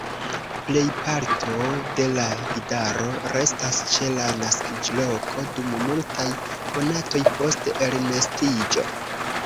Plej parto de la idaro restas ĉe la naskiĝloko dum multaj monatoj post elnestiĝo.